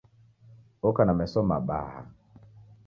Oka na meso mabaha